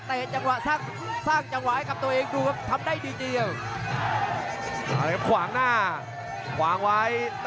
แต่หน้าตีไม่ได้ครับ